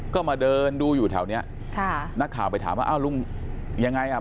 ก็มาเดินดูอยู่แถวเนี้ยค่ะนักข่าวไปถามว่าอ้าวลุงยังไงอ่ะ